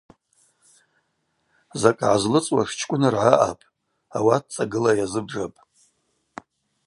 Закӏ гӏазлыцӏуаш чкӏвыныргӏа аъапӏ, ауатӏ цӏагыла йазыбжапӏ.